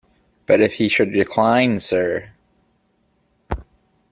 But if he should decline, sir?